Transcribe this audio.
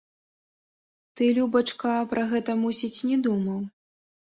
Ты, любачка, пра гэта, мусіць, не думаў?